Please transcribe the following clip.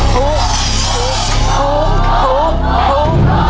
ผู้